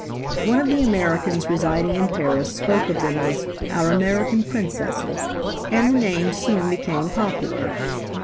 One of the Americans residing in Paris spoke of them as "our American Princesses," and the name soon became popular.